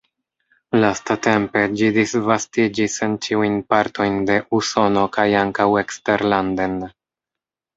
Lastatempe ĝi disvastiĝis en ĉiujn partojn de Usono kaj ankaŭ eksterlanden.